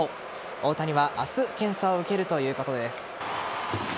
大谷は明日検査を受けるということです。